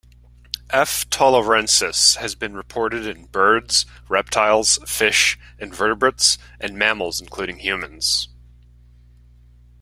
"F. tularensis" has been reported in birds, reptiles, fish, invertebrates, and mammals including humans.